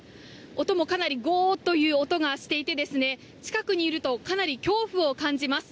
音もかなりゴーという音がしていて近くにいるとかなり恐怖を感じます。